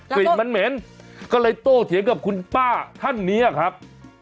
กลิ่นมันเหม็นก็เลยโตเถียงกับคุณป้าท่านนี้ครับ